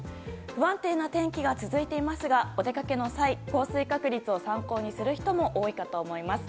不安定な天気が続いていますがお出かけの際降水確率を参考にする人も多いと思います。